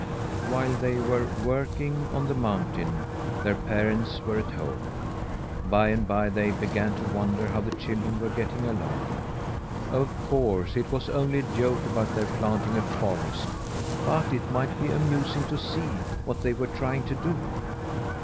While they were working on the mountain, their parents were at home. By and by they began to wonder how the children were getting along. Of course it was only a joke about their planting a forest, but it might be amusing to see what they were trying to do.